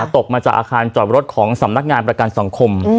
ตกมาจากอาคารจอดรถของสำนักงานประกันสังคม